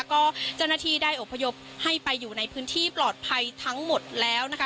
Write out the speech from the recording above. ก็เจ้าหน้าที่ได้อบพยพให้ไปอยู่ในพื้นที่ปลอดภัยทั้งหมดแล้วนะคะ